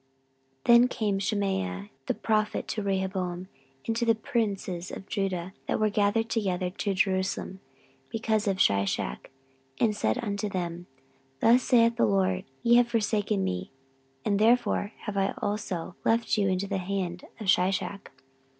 14:012:005 Then came Shemaiah the prophet to Rehoboam, and to the princes of Judah, that were gathered together to Jerusalem because of Shishak, and said unto them, Thus saith the LORD, Ye have forsaken me, and therefore have I also left you in the hand of Shishak.